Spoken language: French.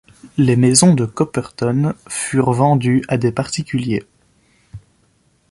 Les maisons de Copperton furent vendues à des particuliers.